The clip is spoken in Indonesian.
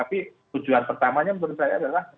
jadi tujuan pertamanya menurut saya adalah